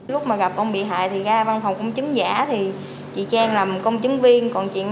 lúc mà gặp ông bị hại thì ra văn phòng công chứng giả thì chị trang làm công chứng viên còn chuyện